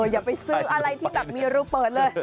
อย่าไปซื้ออะไรที่แบบมีรูเปิดเลย